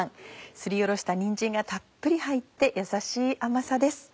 すりおろしたにんじんがたっぷり入ってやさしい甘さです。